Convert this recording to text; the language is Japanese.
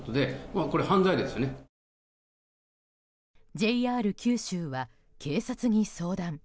ＪＲ九州は警察に相談。